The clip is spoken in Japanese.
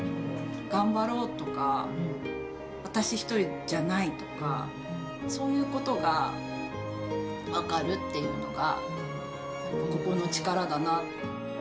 頑張ろうとか、私一人じゃないとか、そういうことが分かるっていうのが、ここの力だなと。